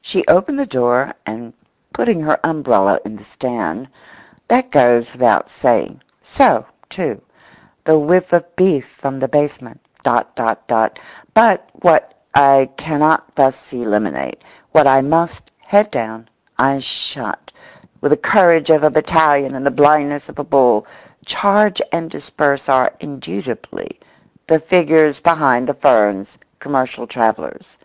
She opened the door, and, putting her umbrella in the stand—that goes without saying; so, too, the whiff of beef from the basement; dot, dot, dot. But what I cannot thus eliminate, what I must, head down, eyes shut, with the courage of a battalion and the blindness of a bull, charge and disperse are, indubitably, the figures behind the ferns, commercial travellers.